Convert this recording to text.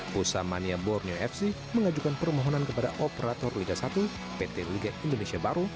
pusamania borneo fc mengajukan permohonan kepada operator liga satu pt liga indonesia baru